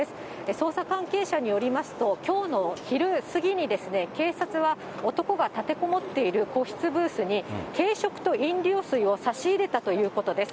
捜査関係者によりますと、きょうの昼過ぎに、警察は、男が立てこもっている個室ブースに、軽食と飲料水を差し入れたということです。